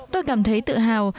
tôi cảm thấy tự hào